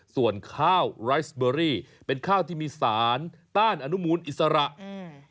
ส่วนข้าวไรสเบอรี่เป็นข้าวที่มีสารต้านอนุมูลอิสระอืม